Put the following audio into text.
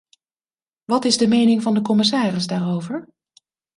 Wat is de mening van de commissaris daarover?